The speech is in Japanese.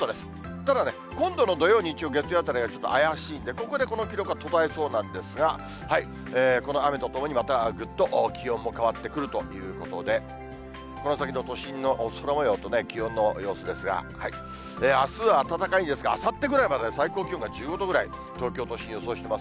ただね、今度の土曜、日曜、月曜あたりはちょっと怪しいんで、ここでこの記録は途絶えそうなんですが、この雨とともに、またぐっと気温も変わってくるということで、この先の都心の空もようと気温の様子ですが、あすは暖かいんですが、あさってぐらいまで最高気温が１５度ぐらい、東京都心、予想してます。